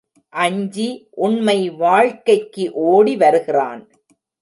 அஞ்சி, உண்மை வாழ்க்கைக்கு ஓடி வருகிறான்.